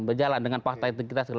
berjalan dengan fakta integritas